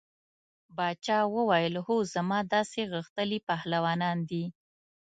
باچا وویل هو زما داسې غښتلي پهلوانان دي.